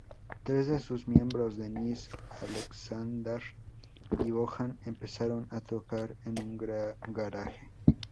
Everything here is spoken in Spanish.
Tres de sus miembros, Denis, Aleksandar y Bojan empezaron a tocar en un garaje.